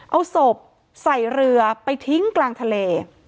เอาศพใส่เรือไปทิ้งกลางทะเล